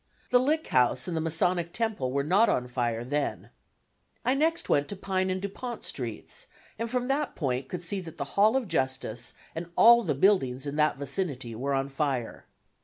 The Lick House and the Masonic Temple were not on fire then. I next went to Pine and Dupont Streets, and from that point could see that the Hall of justice and all the buildings in that vicinity were on fire.